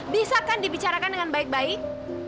bisa kan dibicarakan dengan baik baik